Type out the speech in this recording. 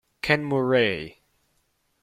Ken Murray